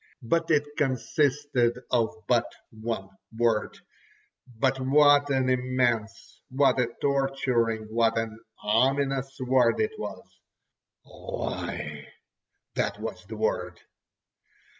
But it consisted of but one word, but what an immense, what a torturing, what an ominous word it was. "Lie!" that was the word.